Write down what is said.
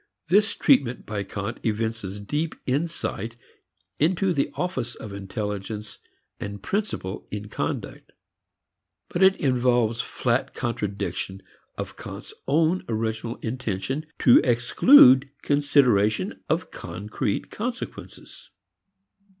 This treatment by Kant evinces deep insight into the office of intelligence and principle in conduct. But it involves flat contradiction of Kant's own original intention to exclude consideration of concrete consequences.